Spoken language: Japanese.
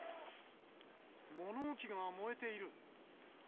物置が燃えている。